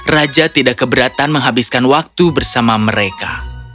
raja tidak keberatan menghabiskan waktu bersama mereka